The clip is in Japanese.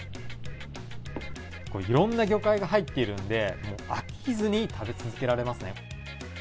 いろんな魚介が入っているんで、飽きずに食べ続けられますね。